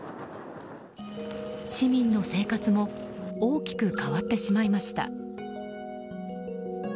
市民の生活も大きく変わってしまいました。